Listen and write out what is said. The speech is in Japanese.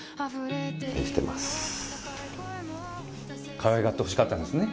かわいがってほしかったんですね。